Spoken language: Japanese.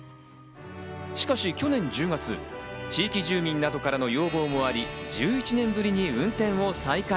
しかし去年１０月、地域住民などからの要望もあり、１１年ぶりに運転を再開。